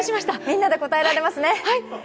みんなで答えられますね。